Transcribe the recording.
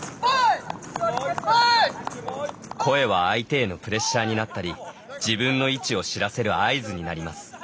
声は相手へのプレッシャーになったり自分の位置を知らせる合図になります。